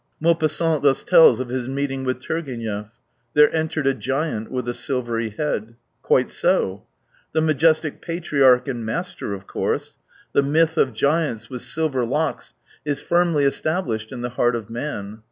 Maupassant thus tells of his meeting with Turgenev :" There entered a giant with a silvery head." Quite so ! The majestic patriarch and master, of course ! The myth of giants with silver locks is firmly established in the heart of man.